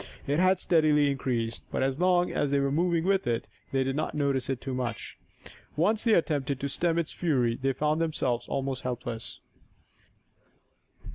It had steadily increased, but, as long as they were moving with it, they did not notice it so much. Once they attempted to stem its fury they found themselves almost helpless.